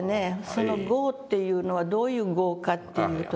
その「業」っていうのはどういう業かというとですね。